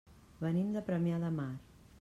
Venim de Premià de Mar.